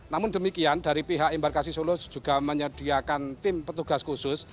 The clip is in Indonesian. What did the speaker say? namun demikian dari pihak embarkasi solo juga menyediakan tim petugas khusus